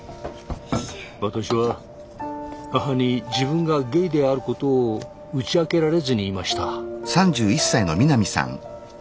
私は母に自分がゲイであることを打ち明けられずにいました。